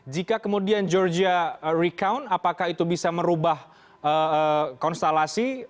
jika kemudian georgia recount apakah itu bisa merubah konstelasi